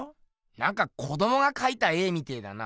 なんか子どもがかいた絵みてえだな。